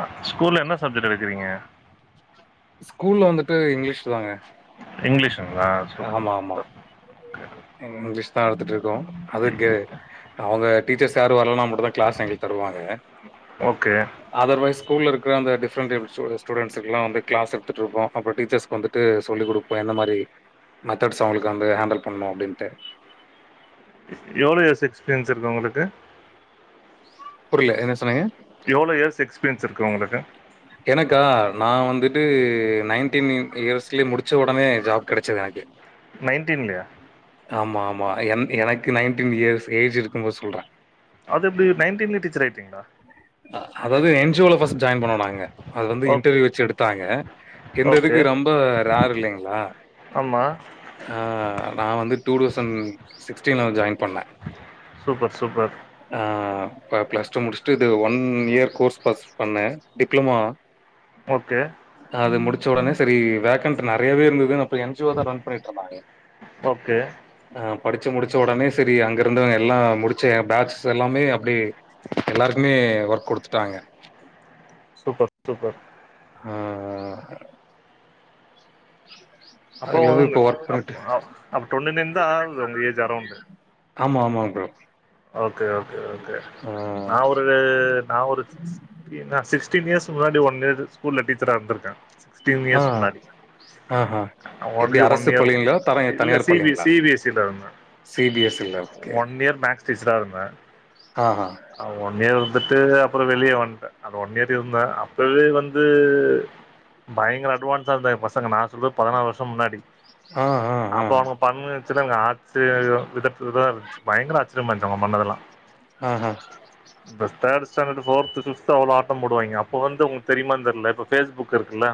அ ஸ்கூல்ல என்ன சப்ஜெக்ட் எடுக்கறீங்க? ஸ்கூல்ல வந்துட்டு இங்லீஷ் தாங்க. இங்லீஷ்ங்ளா சூப்பர் சூப்பர். ம் இங்லிஷ் தா எடுத்துட்ருக்கோ. அது கே அவங்க டீச்சர்ஸ் யாரு வர்லனா மட்டுதா கிளாஸ் எங்குளுக் தருவாங்க. ஓகே. அதர்வைஸ் கூல்ல இருக்கற அந்த டிப்ரன்ட் ஏபில் சூ ஸ்டுடென்ஸ்க் எல்லா கிளஸ் எடுத்துட்ருப்போ. அப்புற டீச்சர்ஸ்க் வந்து ட்டு சொல்லி குடுப்போ எந்த மாரி மெத்தட்ஸ் அவுங்களுக்கு வந்து ஹேண்டில் பண்ணு அப்டின்ட்டு. எவ்ளோ இயர்ஸ் எக்ஸ்பீரியன்ஸ் இருக்கு உங்குளுக்கு? புரில என்ன சொன்னீங்க? எவ்ளோ இயர்ஸ் எக்ஸ்பீரியன்ஸ் இருக்கு உங்குளுக்கு? எனக்கா நா வந்துட்டு நைன்டீன் இன் இயர்ஸ்லே முடிச்ச உடனே ஜாப் கெடைச்சுது எனக்கு. நைன்ட்டீன்லியா? ஆமா ஆமா என் எனக்கு நையன்டீன் இயர்ஸ் ஏஜ் இருக்கும்போது சொல்றே. அதெப்டி நைன்டீன்லே டீச்சர் ஆய்ட்டீங்ளா? அ அதாவது என் ஜி ஓ ல ஃபஸ் ஜாயின் பண்ணோ நாங்க அது வந்து ஓக் இன்டர்வியூ வெச்சு எடுத்தாங்க. இந்த இதுக்கு ரொம்ப ரேரு இல்லிங்ளா? ஆம்மா. ஆ நா வந்து டூ டௌசன் சிக்ஸ்டீன்லதா ஜாயின் பண்ணே. Super super. ஆ இப்ப ப்ளஸ் டூ முடிச்ட்டு து ஒன் இயர் கோர்ஸ் பஸ் பண்ணே டிப்ளமோ ஓகே. அ அது முடிச்ச உடனே செரி வேகண்ட் நறையவே இருந்ததுன் அப்போ என் ஜி ஓ தா ரன் பண்ணிட்ருந்தாங்க. ஓகே. அ படிச்சு முடிச்ச உடனே செரி அங்க இருந்துவங்க எல்லா முடிச்ச எ பேட்சஸ் எல்லாமே அப்டியே எல்லார்க்குமே ஒர்க் குடுத்துட்டாங்க. [inaudible] அ அ அப்போ அதுலந்து வந்து இப்ப ஒர்க் அப் பண்ணிட்டு அப்- அப்போ டுவெண்ட்டி நைன் தான் ஆகுது உங்கள் ஏஜ் அரௌண்டு ஆமா ஆமாங் ப்ரோ. ஓகே ஓகே ஓகே ஆ நா ஒரு நா ஒரு சிக்ஸ்டீனா சிக்ஸ்டீன் இயர்ஸ்கு முன்னாடி ஒன் இயர் ஸ்கூல்ல டீச்சரா இர்ந்திர்க்கே சிக்ஸ் டீன் ஆ இயர்ஸ் முன்னாடி. ஆஹா அ எப்டி ஒன்லி ஒன் அரசு இயரு பள்ளிங்களா? தர இல்ல தனியார் சி பி பள்ளிங்களா? சி பி எஸ் இ ல இருந்தே. சி பி எஸ் ல்ல ஓகே. டீச்சராருந்தே. ஆ ஹ. அ ஒன் இயர் இருந்துட்டு அப்புறோ வெளிய வந்ட்டே. அது ஒன் இயர் இருந்தே அப்பவே வந்து பயங்கர அட்வான்ஸா இருந்தே எ பசங்க நா சொல்றது பதனா வர்ஷம் முன்னாடி. ஆ அ அ. பண்ணு வெச்சுத இவுங்க ஆச்சிரியோ விதத் இதுவா இருஞ்ச்சு பயங்கர ஆச்சிரியமா இரு அவுங்க பண்ணதெல்லா. ஆஹ. இந்த தேடு ஸ்டேண்டடு ஃபோர்த்து ஃபிஃப்த்து அவ்ளோ ஆட்டம் போடுவாய்ங்க அப்ப வந்து உங் தெரிமாந் தெர்ல இப்போ ஃபேஸ்புக் இருக்குல்ல.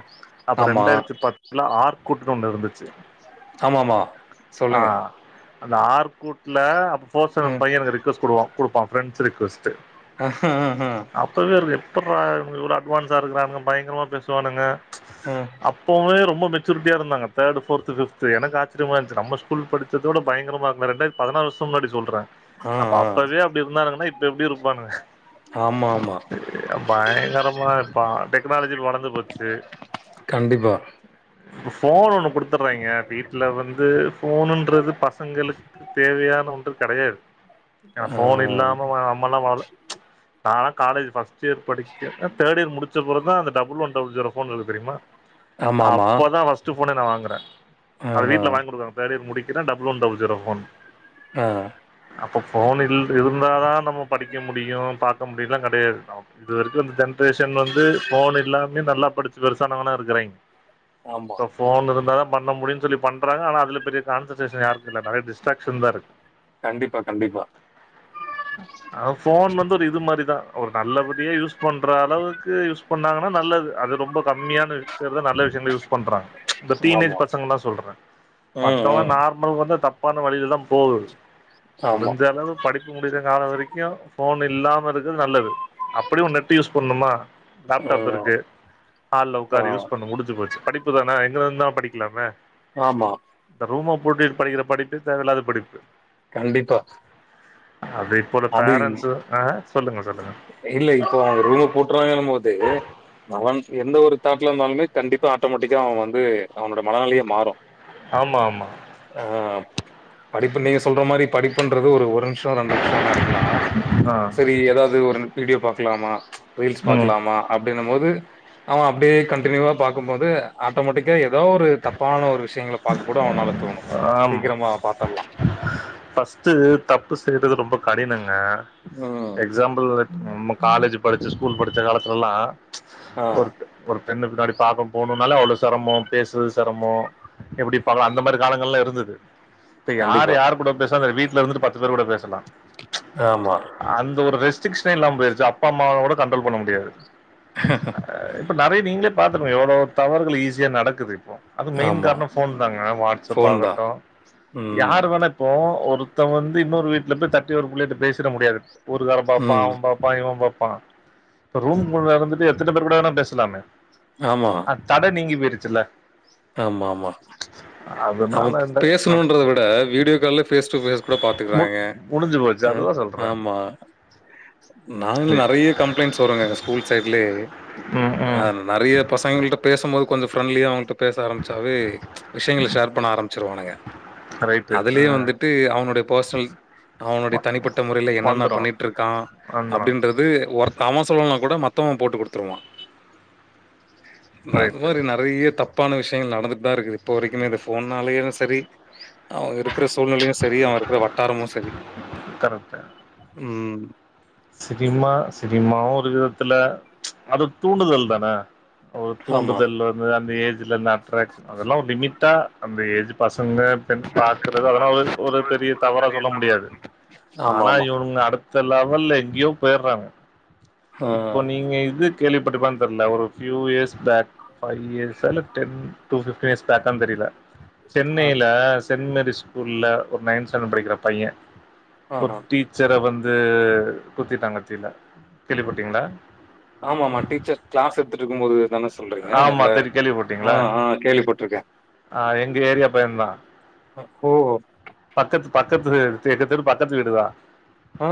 அப்ப ஆமா ரெண்டாயிரத்தி பத்துல ஆர்கூட்னு ஒண்ணு இருந்துச்சு. ஆமாமா ஆ சொல்லுங்க. அந்த ஆர்க்கூட்ல அப்ப பர்சனல் ம் பையன் எனக்கு ரெக்வஸ்ட்டு குடுப்பா குடுப்பா பிரண்ட்ஸ் ரெக்வெஸ்ட் [unintelligible] அப்பவே இவனுங்க எப்பட்ற இவ்னூங்க இவ்ளோ அட்வான்ஸா இருக்கிறானுங்க பயங்கரமா பேசுவானுங்க ம் அப்பவும ரொம்ப மெச்சூரிட்டியா இருந்தாங்க தேர்டு ஃபோர்த்து ஃபிப்த்து எனக்கு ஆச்சரியமா இருந்ஞ்சி நம்ம ஸ்கூல் படிச்சதோட பயங்கரமா இருக்கா ரெண்டாயிரத் பதினாறல் வருஷம் முன்னாடி சொல்றே ஆ அப்ப ஆ அப்பவே அப்டி இருந்தானுங்கன்னா இப்ப எப்டி இருப்பானுங்க ஆமா ஆமா பயங்கரமா இப்ப டெக்னாலஜி வளந்து போச்சு கண்டிப்பா போன் ஒண்ணு குடுத்துற்றாய்ங்க வீட்டுல வந்து போனுன்றது பசங்களுக் தேவையான ஒன்று கெடையாது யா ஆ போன் இல்லாம வா நம்மலா வாழ்ல நால்லா காலேஜ் ஃபஸ் ட் இயர் படிக்க அஹ் தேர்ட் இயர் முடிச்சப்புறம்தா அந்த double one double zero phone இருக்கு தெரியுமா ஆமா ஆமா அப்பதா ஃபஸ்ட் போனோ நா வாங்குறே அது ஆஹா வீட்ல வாங்கி குடுத்தாங் தேர்ட் இயர் முடிக்கிறே double one double zero phone ஆஹ் அப்ப போன் இருந்தாதா நம்ம படிக்க முடியு பாக்க முடியும்ல்லா கெடையாது நம் இது வரைக்கு இந்த ஜென்ரேஷன் வந்து ஃபோன் இல்லாமே நல்லா படிச்சு பெருசானவய்ங்கல்லா இருக்குறாய்ங் ஆமா இப்ப போன் இருந்தாப் பண்ண முடியு சொல்லி பண்றாங்க ஆன அதுல பெரிய கான்சென்ட்ரேஷன் யருக்குல்ல நெறய டிஸ்ட்ரக்ஷன் தா இருக்கு கண்டிப்பா கண்டிப்பா போன் வந்து ஒரு இது மாரிதா ஒரு நல்லபடியா யூஸ் பண்ற அளவுக்கு யூஸ் பண்ணாங்கன்னா நல்லது அது ரொம்ப கம்மியான பேர்தா நல்ல விஷயங்களுக் யூஸ் பண்றாங்க இந்த டீனேஜ் ஆமா பசங்கள தா சொல்ற ம் மத்தவங்க ம் நார்மலுக்கு வந்தா தப்பான வழியிலதா போகுது ஆமா முடிஞ்ச அளவு படிப்பு முடியிற காலம் வரைக்கு போன் இல்லாம இருக்கிறது நல்லது அப்டி ஒன் நெட்டு் யூஸ் பண்ணுமா லேப்டாப் ம் இருக்கு ஹால்ல ஆ உக்காரு யூஸ் பண்ணு முடிச்சு போச்சு படிப்புதானே எங்கன இருந்துதாலு படிக்கலாமே ஆமா இந்த ரூம பூட்டிட்டு படிக்கிற படிப்பே தேவயில்லாத படிப்பு கண்டிப்பா அது இப்ப உள்ள அது பேரன்ட்ஸு ஆ சொல்லுங்க சொல்லுங்க இல்ல இப்போ அவுங்க ரூம பூட்டுறாங்கன்னு போது அவன் எந்த ஒரு தாட்ல இருந்தாலுமே கண்டிப்பா ஆட்டோமேட்டிக்கா அவன் வந்து அவனோட மனநிலையே மாறும் ஆமா ஆமா ஆ படிப்பு நீங்க சொல்ற மாரி படிப்புன்றது ஒரு ஒரு நிம்ஷோ ரெண்டு நிம்ஷோ வேனாருக்கலா ஆ செரி ஏதாவது ஒரு வீடியோ பாக்கலாமா ரீல்ஸ் ம் பாக்கலாமா அப்டின்னும் போது அவன் அப்டியே கன்டினியூவா பாக்கும்போது ஆட்டோமேட்டிக்கா ஏதோ ஒரு தப்பான ஒரு விஷயங்கள பாக்க கூட அவனால தோணு சீக்கிரமா பாத்தல்லா ஃபஸ்ட் தப்பு செய்யறது ரொம்ப கடினங்க ம் எக்ஸாம்பிள் நம்ம காலேஜ் படிச்சு ஸ்கூல் படிச்ச காலத்துலல்லா ஆ ஒரு ஒரு பெண்ணு பின்னாடி பாக்க போணுன்னாலே அவ்ளோ செரமோ பேஸ் ரமோ எப்டி பாக்கலா அந்த மாரி காலங்கள் லா இருந்தது இப்ப யார் கண்டிப்பா யார் கூட பேஸ்னா செரி வீட்டுல இருந்துட்டு பத்து பேரு கூட பேசலா ஆமா அந்த ஒரு ரெஸ்ட்ரிக்ஷனே இல்லாம போயிருச்சு அப்பா அம்மா கூட கண்ட்ரோல் பண்ண முடியாது இப்ப நெறைய நீங்களே பாத்துகுவிங்க எவ்ளவு தவறுகள் ஈஸியா நடக்குது இப்போ அது மெயின் ஆமா காரணம் ஃபோன் தாங்க வாட்ஸ்அப் ஃபோன் தா ஆகட்டும் ம் யார் வேண இப்போ ஒருத்தன் வந்து இன்னொரு வீட்டுல போய் தட்டி ஒரு புள்ளேட்ட பேசிட முடியாது ஊருகார பாப்பா ம் அவ பாப் பா இவ பாப்பா இப்ப ரூம் குள்ள இருந்துட்டு எத்தன பேர் கூட வேணா பேசலாமே ஆமா அ தடை நீங்கி போயிருச்சில்ல ஆமா ஆமா அவ அதனால இந்த பேசணுன்றத விட வீடியோ கால்ல பேஸ் டு பேஸ் கூட மு- பாத்துக்குறாங்க முடிஞ்சு போச்சு அ அதுதான் சொல்றேன் ஆமா நாங்களு நெறைய கம்ப்ளைண்ட்ஸ் வருங்க எங்க ஸ்கூல் சைட்லே ம் ம் அந் நெறைய பசங்கள்ட்ட பேசும்போது கொஞ்சோ ஃப்ரெண்ட்லியா அவங்கட்ட பேச ஆரம்பிச்சாவே விஷயங்கள ஷேர் பண்ண ஆரம்பிச்சருவானுக ரைட்டு அதுலயே வந்துட்டு அவனுடைய பர்ஸ்னல் அவனுடைய தனிப்பட்ட முறையில என்னென்ன வந்துடும் பண்ணிட்ருக்கா வந்துடும் அப்டின்றது ஒர்த் அவ சொல்லனா கூட மத்தவ போட்டு குடுத்துருவா அது ரைட்டு மாரி நெறைய தப் ப்பான விஷயங்கள் நடந்துட்டு தா இருக்கு இப்போ வரைக்குமே இந்த ‌போன்னாலயு சரி அவங்க இருக்கிற சூழ்நிலையு சரி அவ இருக்கிற வட்டாரமு சரி கரெக்ட் ம் சினிமா சினிமாவு ஒரு விதத்துல அது தூண்டுதல் தான ஒரு ஆமா. தூண்டுதல் வந்து அந்த ஏஜ்ல இந்த அட்ராகஷன் அதெல்லா ஒரு லிமிட்டா அந்த ஏஜ் பசங்க பெண் பாக்குறது அதல்லா ஒ ஒரு பெரிய தவறா சொல்ல முடியாது ஆனா ஆமாமா. இவனுங்க அடுத் த லெவல்ல எங்கயோ போய்றாங்க ஆ. இப்போ நீங்க இது கேள்விப்பட்ருப்பியா தெர்ல ஒரு ஃபியூ இயர்ஸ் பேக் ஃபைவ் இயர்ஸா இல்ல டென் டூ ஃபிப்டீன் இயர்ஸ் பேக்கான்னு தெரில ஆ. சென்னைல சென்ட் மேரிஸ் ஸ்கூல்ல ஒரு நைன்த் ஸ்டண்டர்ட் படிக்கிற பைய ஒரு ஆஹ. டீ ச்சர வந்து குத்திட்டா கத்தில கேள்விபட்டீங்ளா ஆமா ஆமா டீச்சர் க்ளஸ் எட்த்துட்ருக்கு போது தான சொல்றீங்க ஆமா இல்ல தெரி ஆ கேள்விப்பட்டீங்களா ஆ கேள்விப்பட்ருக்க ஆ எங்க ஏரியா பையந்தா ஓ பக்கத்து பக்கத்து எங்க தெரு பக்கத்து வீடுதா ஓ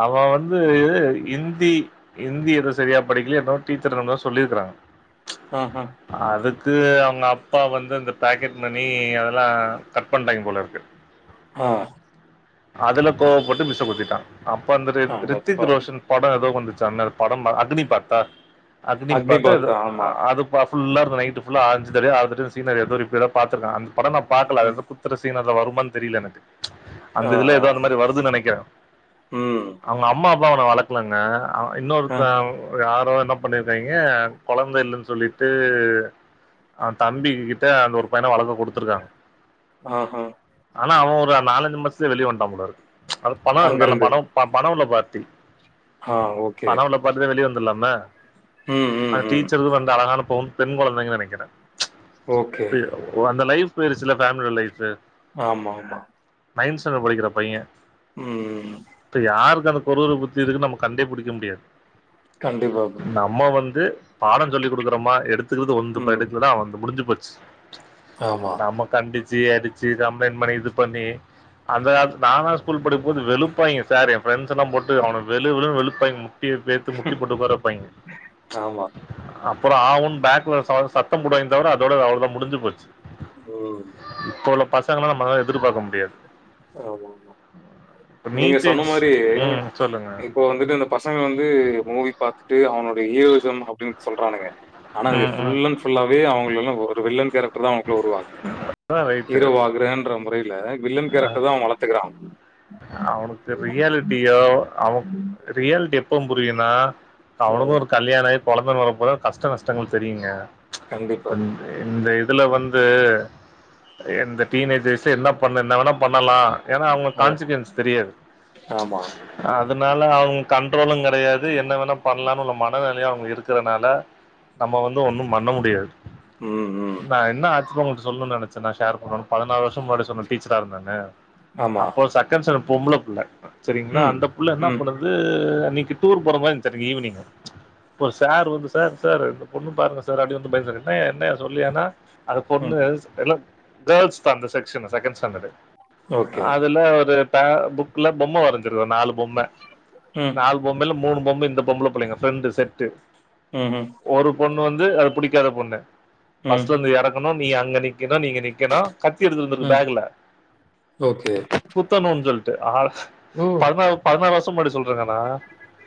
அவ வந்து இந்தி இந்தி ஏதோ சரியா படிக்கலயோ என்னவோ டீச்சர் என்னதோ சொல்லிக்குறாங்க ஆ ஆ அதுக்கு அவங்க அப்பா வந்து இந்த பேக்கெட் மணி அதெல்லா கட் பண்டாய்ங்க போல இருக்கு ஆ அதுல கோவப்பட்டு மிஸ்ச குத்திட்டா அப்ப அந்த‌ ரித் ரித்திக் அடப்பாவி ரோஷன் படோ ஏதோ வந்துச்சாமே அது படோ அக்னி பாத்தா அக்னி பாத்தா ஏதோ அக்னிபாத் ஆமா. அது ஃபுல்லா நைட்டு ஃபுல்லா அஞ்சு தடவயோ ஆறு தடவயோ அந்த சீன நெறைய தட ரீப்பீட்டா பாத்துருக்கா அந்த படோ நா பாக்கல அது ம் ஏதோ குத் துற சீன் அதுல வருமான் தெரில எனக்கு அந்த ஆ இதுல ஆ ஏதோ அந்த மாரி வருதுன் நினைக்கிற ம் அவங்க அம்மா அப்பா அவன வளக்கலங்க ஆ இன்னொருத்த யாரோ என்ன பண்ணிருக்காய்ங்க கொழந்த இல்லன் சொல்லிட்டு அவ தம்பி கிட்ட அந்த ஒரு பையன வளக்க குடுத்துருக்காங்க ஆஹா ஆனா அவ ஒரு நாலஞ்சு மாசத்திலே வெளிய வண்ட்டா போல இருக்கு அது பணோ இருக்கு நல்ல அங்கருந்து பணோம் ப பணவுள்ள பார்டி ஆ ஓகே பார்த வெளிய வந்துலாம ம் ம் அந்த ம் டீச்சரு வந்த அழகான போ பெண் குழந்தைங்கன் நெனைக்கிற ஓகே ஓ அந்த லைஃப் போயிர்ச்சில்ல ஃபேமிலியோட லைஃப்பு ஆமாமா நைன் ஸ்டண்டர்டு படிக்கிற பைய ம் இப்ப யாருக்கு அந்த குருர புத்தி இருக்குன் நமக்கு கண்டே புடிக்க முடியாது கண்டிப்பா ப்ரோ. நம்ம வந்து பாட சொல்லி கொடுக்குறோமா எடுத்துக்கிறது ஒன்து ம் எடுக்கலனா அவனுது முடிஞ்சு போச்சு ஆமா நம்ம கண்டிச்சு அடிச்சு கம்ப்ளைன் பண்ணி இது பண்ணி அந்த காலத்து நானா ஸ்கூல் படிக்கும் போது வெளுப்பாய்ங்க சார் என் ஃரெண்ட்ஸ் எல்லா போட்டு அவன வெளு வெளு வெளுப்பாய்ங்க முட்டிய பேத்து முட்டிப்போட்டு உக்கார வப் ஆமா அப்பற ஆ ஊ னு பேக்குல ச சத்த போடுவாய்ங்க தவர அதோட அவ்ள முடிஞ்சு போச்சு ம் இப்ப உள்ள பசங்கள நம்ம அத எதிர்பாக்க முடியாது ஆமாமா. நீங்க நீட் சொன்ன எக்ஸ் மாரி ம் சொல்லுங்க இப்போ வந்துட்டு இந்த பசங்க வந்து மூவி பாத்துட்டு அவனுடைய ஹீரோயிசம் அப்படின் சொல்றானுங்க ஆனா அது ம் ம் புல் அண்ட் ஃபுல்லாவே அவங்க எல்லா ஒரு வில்லன் கேர டர் தா அவனுக்குள்ள உருவாகுது அதா ரைட்டு. ஹீரோவாகன்ற முறைல வில்லன் கேரக்டர் தா அவ வளத்துக்கிறா அவனுக்கு ரியாலிட்டியோ அவ ரியாலிட்டி எப்ப புரியுனா அவனுக்கு ஒரு கல்யாண ஆகி கொழந்தனு வரப்போல கஷ்ட நஷ்டங்கள் தெரியுங்க இப்ப கண்டிப்பா இந்த இதுல வந்து இந்த டீனேஜர்ஸ் என்ன பண்ண என்ன வேணா பண்ணலா ஏன்னா அவங்க அ கான்சிகவன்ஸ் தெரியாது ஆமா. அதனால அவங்க கண்ட்ரோலு கெடையாது என்ன வேணா பண்லானு உள்ள மனநிலையா அவங்க இருக்கறனால நம்ம வந்து ஒன்னு பண்ண முடியாது ம், ம். நா என்ன ஆச்சுவலா சொல்னு நெனச்சன சேர் பன்னனு பதினாறு வருஷ முன்னாடி சொன்ன டீச்சரா இருந்தாங்க ஆமா. அப்ப சக்கரம்சர் பொம்பள புள்ள சரிங்ளா ம், அந்த புள்ள என்ன ம், பன்னுது ர் அன்னிக்கு டூர் போர மாரி இருதுச்சு அன்னிக்கு ஈவினிங் ஒரு சார் வந்து சார் சார் இந்த பொண்ணு பாருங்க சார் அப்டி வந்து பயந்தாரு என்னய என்னய சொல்லியானா அது பொண்ணு ம். எல்லா கேல்ஸ் தா அந்த செக்க்ஷனு செகண்ட் ஸ்டாண்டர்டு ஓகே. அதுல ஒரு புக்ல பொம்ம வரைஞ்சிரு நாலு பொம்ம ம், நாலு பொம்மைல மூனு பொம்ம இந்த பொம்பள புள்ளைங்க ஃபிரண்டு செட்டு ம்ஹும் ஒரு பொண்ணு வந்து அது புடிக்காத பொண்ணு ம், பஸ்ல இருந்து எறங்கணு நீ அங்க நிக் ங்கத நீ இங்க நிக்கனு கத்தி எடுத்து வந்துர்கு ம். பேக்ல ஓகே குத்தணுனு சொல்ட்டு ஆள் ஓ! பதினாறு பதினாறு வருச முன்னாடி சொல் ங்கான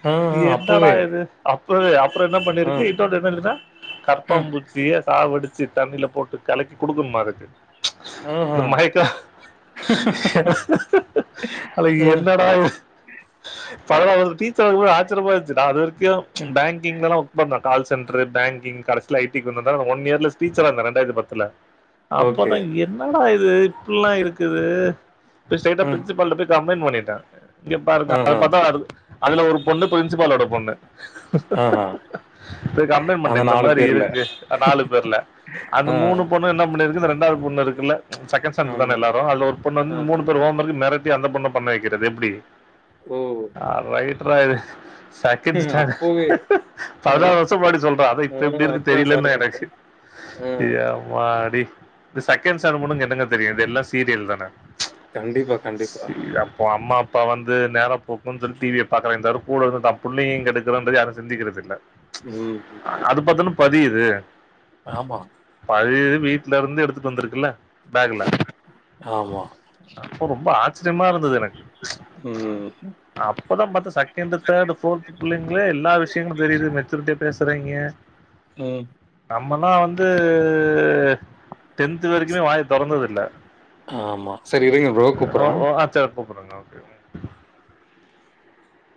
ஆ, ஆ என்னடா அப்பவே. இது அப்பறோ அப்ற என்ன ஆ, பண்ணிருக்கு இன்னோனு என்ன இன்னா அ, கற்பம்புச் சிய சாவுடிச்சு தண்ணில போட்டு கலக்கி கொடுக்கணுமா அதுக்கு இந்த ஆஹா. மயக்க அது ம், என்னடா இது பரவால டீச்சர் கூட ஆச்சரியமா இருந்துசு நா அது வரைக்கு அ. பேங் கிங்லலா ஒர்க் பண்ண கால் சென்டர் பேங்கிங் கடைசில ஐடிக்கு வந்திருந்தா அனா ஒன் இயர்ல டீச்சரா இருந்த ரண்டாயிரத்து பத்துல ஓகே. அப்பதா என்னடா இது இப்புட்லா இருக்குது ஸ்ட்ரயிட்டா அ, பிரின்சிபல்ட போய் கம்ப்ளைண்ட் பண்ணிட்ட இங்கப்பாருங்க அத ஆஹா, பாத்தா வரு அதுல ஒரு பொண்ணு பிரின்சிபாலோட பொண்ணு ம் ம் பேய் கம்ப்ளைண்ட் பன்ட்ட இந்த மாரி இருக்கு நாலு பேர்ல அந்த ஆ, மூணு பொண் ணு என்ன பண்ணிருக்கு இந்த ரெண்டாவது பொண்ணு இருக்குல ஸெகண்ட் ஸ்டான்டர் தான ஆமா. எல்லாரு அதுல ஒரு ஆஹா. ஹோம் ஒர்க் மிரட்டி அந்த பொண்ண பண்ண வைக்கிறது எப்டி ஓ ஆ ரைட்ரா இது ஸெகண்ட் ஸ்டான்டட் அப்பவே. பதினாறு ம். வருஷ முன்னாடி சொல்ற அத ஆ இப்ப எப்டி இருக்குனு அதான் தெரிலனு பாருங்க. எனக்கு ஆ. எம்மாடி இந்த ஸெகண்ட் ஸ்டாண்ட பொண்ணுகு என்னங்க தெரியு இது எல்லா சீரியல் தான கண்டிப்பா கண்டிப்பா. சரி அப்போ அம்மா இப்ப வந்து நேர போகுனு சொல்லி டிவிய பாத்துனு இந்தாலு கூட இருந்து தா புள்ளயயும் கெடுக்குரோன்றது யாரு சிந்திக்கறதுல்ல ம் ம் அது பாத்தன்னு பதியுது ஆமா பழயது வீட்லருந்து எடுத்துட்டு வந்திருகுல்ல பேக்ல ஆமா அப்போ ரொம்ப ஆச்ரியமா இருந்துது எனக்கு ம் அப்பறம் பாத்த ஸெகண்ட் தேர்டு போர்த் பிள்ளைங்களே எல்லா விஷயங்களு தெரிது மெச்சூரிட்டியா பேசுறீங்க ம் நம்மலா வந்து டென்து வரைகுமே வாய தொறந்தது இல்ல ஆமா சரி வைங்க ப்ரோ ஓ கூப்பட்றான் ஓ ஆ சரி கூப்பட்றங்க